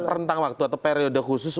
rentang waktu atau periode khusus